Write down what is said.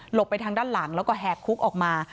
ไปทางด้านหลังแล้วก็แหกคุกออกมา